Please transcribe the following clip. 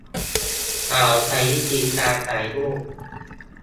เขาใช้วิธีการถ่ายรูป